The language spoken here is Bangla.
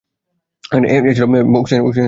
এ হলো অক্সিজেনের এক বিপুল সরবরাহকারী।